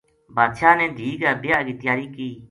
بادشاہ نے دھی کا بیاہ کی تیاری کی